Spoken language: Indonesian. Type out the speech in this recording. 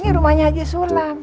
ini rumahnya haji sulam